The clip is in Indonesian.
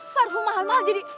parfu mahal mahal jadi